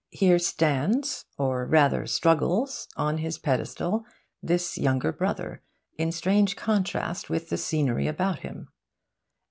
Here stands or rather struggles on his pedestal this younger brother, in strange contrast with the scenery about him.